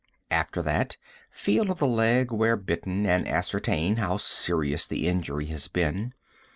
After that feel of the leg where bitten, and ascertain how serious the injury has been.